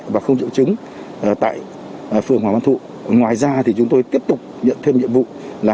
và không triệu chứng tại phường hoàng văn thụ ngoài ra thì chúng tôi tiếp tục nhận thêm nhiệm vụ là